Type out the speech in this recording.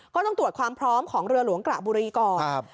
ก็ต้องตรวจความพร้อมของเรือหลวงกระบุรีก่อน